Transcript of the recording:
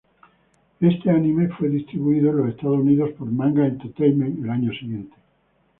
Este anime fue distribuido en los Estados Unidos por Manga Entertainment el año siguiente.